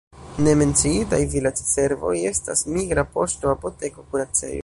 Ne menciitaj vilaĝservoj estas migra poŝto, apoteko, kuracejo.